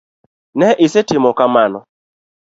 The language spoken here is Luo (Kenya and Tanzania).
Ne isetimo kamano.